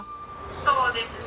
「そうですね。